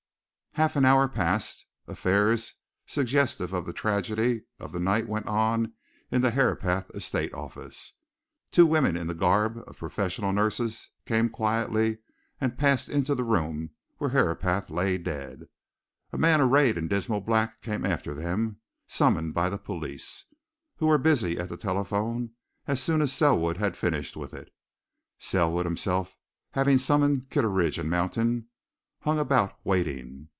Half an hour passed affairs suggestive of the tragedy of the night went on in the Herapath Estate Office. Two women in the garb of professional nurses came quietly, and passed into the room where Herapath lay dead. A man arrayed in dismal black came after them, summoned by the police who were busy at the telephone as soon as Selwood had finished with it. Selwood himself, having summoned Kitteridge and Mountain, hung about, waiting.